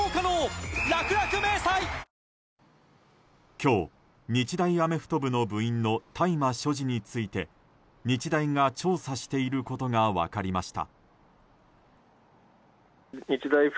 今日、日大アメフト部の部員の大麻所持について日大が調査していることが分かりました。